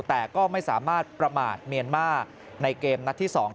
แต่ก็ไม่สามารถประมาทเมียนมาร์ในเกมนัดที่๒